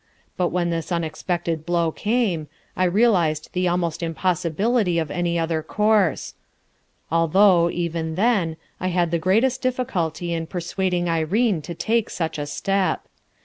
But when this un expected blow came, I realized the almost impossibility of any other course, although, SENTIMENT AND SACRinCE 115 even then, I had the greatest circuity in per* eoading Irene to take such a step.